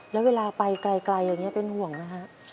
แล้วเวลาไปไกลเป็นห่วงนะฮะ